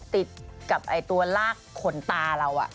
ติดกับตัวลากขนตาเรา